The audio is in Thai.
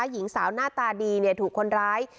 หญิงสาวหน้าตาดีถูกคนร้าย